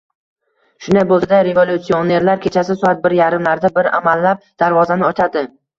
Shunday bo‘lsa-da, revolyutsionerlar kechasi soat bir yarimlarda bir amallab darvozani ochadi.